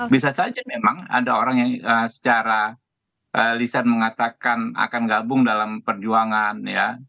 bisa saja memang ada orang yang secara lisan mengatakan akan gabung dalam perjuangan ya